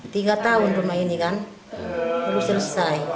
tiga tahun rumah ini kan belum selesai